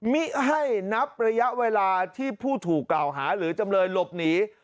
มิให้นับระยะเวลาที่ผู้ถูกกล่าวหาหรือจำเลยหลบหนี